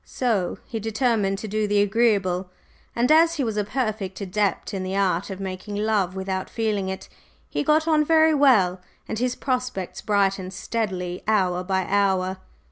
So he determined to do the agreeable, and as he was a perfect adept in the art of making love without feeling it, he got on very well, and his prospects brightened steadily hour by hour.